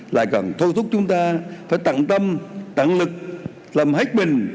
lại cần thu thúc chúng ta phải tặng tâm tặng lực làm hết mình